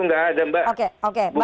nggak ada mbak